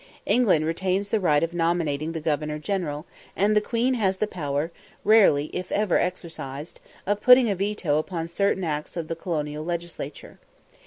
England retains the right of nominating the Governor General, and the Queen has the power, rarely if ever exercised, of putting a veto upon certain of the acts of the colonial legislature.